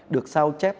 được sao chép